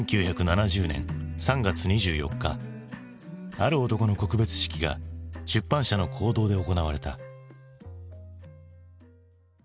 ある男の告別式が出版社の講堂で行われた。